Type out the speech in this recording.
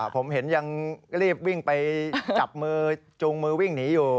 ผมเห็นยังรีบวิ่งไปจับมือจูงมือวิ่งหนีอยู่